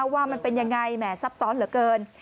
ว่ามันเป็นยังไงแหม่ซับซ้อนเหลือเกิน